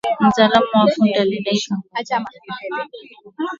Mtaalam wa ufundi alidakia kwa kukubali kama alikuwa akisubiri kauli ya Jacob